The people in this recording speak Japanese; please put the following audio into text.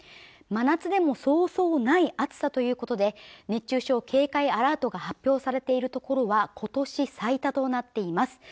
真夏でもそうそうない暑さということで熱中症警戒アラートが発表されているところは今年最多となっています